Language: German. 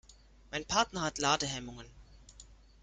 Mein Partner hat Ladehemmungen.